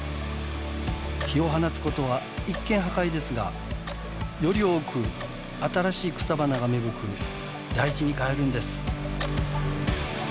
火を放つことは一見破壊ですがより多く新しい草花が芽吹く大地に変えるんです。